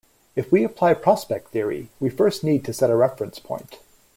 If we apply prospect theory, we first need to set a reference point.